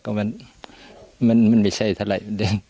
ก็มันไม่ใช่เท่าไหร่